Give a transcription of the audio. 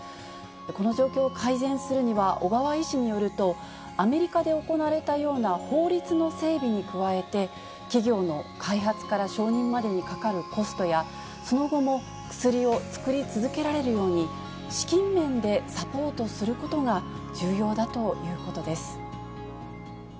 この状況を改善するには、小川医師によると、アメリカで行われたような法律の整備に加えて、企業の開発から承認までにかかるコストや、その後も薬を作り続けられるように、資金面でサポートすることが重要だということです。